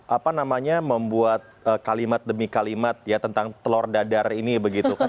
apa namanya membuat kalimat demi kalimat ya tentang telur dadar ini begitu kan